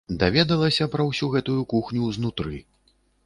Даведалася пра ўсю гэтую кухню знутры.